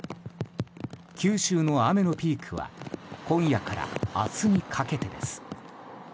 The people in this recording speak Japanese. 九州の雨のピークは今夜から明日にかけてです。